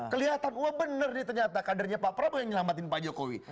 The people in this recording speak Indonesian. kelihatan wah bener nih ternyata kadernya pak prabowo yang nyelamatin pak jokowi